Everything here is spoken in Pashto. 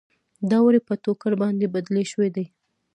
دا وړۍ په ټوکر باندې بدلې شوې دي.